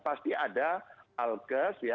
pasti ada alkes